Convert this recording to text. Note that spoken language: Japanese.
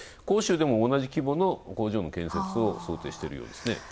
広州でも同じ規模の工場の建設を想定しているようですね。